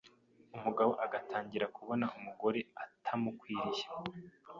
umugabo agatangira kubona umugore atamukwiriye